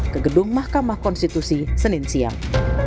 kedung mahkamah konstitusi senin siang